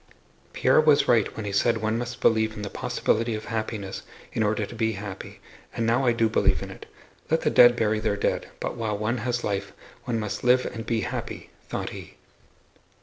"Pierre was right when he said one must believe in the possibility of happiness in order to be happy, and now I do believe in it. Let the dead bury their dead, but while one has life one must live and be happy!" thought he.